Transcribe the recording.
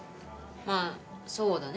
まぁそうだね。